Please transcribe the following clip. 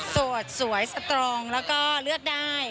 สวยสตรองแล้วก็เลือกได้